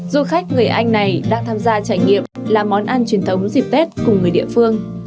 du khách người anh này đang tham gia trải nghiệm làm món ăn truyền thống dịp tết cùng người địa phương